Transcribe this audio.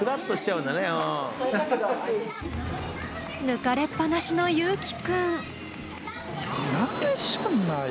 抜かれっぱなしの侑樹くん。